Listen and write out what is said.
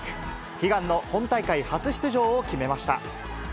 悲願の本大会初出場を決めました。